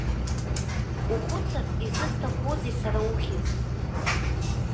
Ухәыцыр, изысҭахузеи сара ухьӡ?!